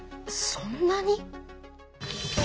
そんなに？